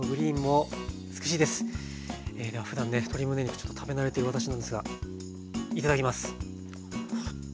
ではふだんね鶏むね肉ちょっと食べ慣れてる私なんですがいただきます。